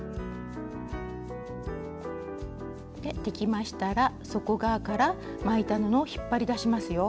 できましたら底側から巻いた布を引っ張り出しますよ。